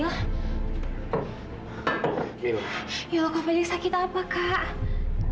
ya allah kak fadil sakit apa kak